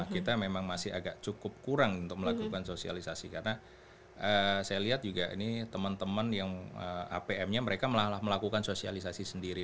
kita memang masih agak cukup kurang untuk melakukan sosialisasi karena saya lihat juga ini teman teman yang apm nya mereka melakukan sosialisasi sendiri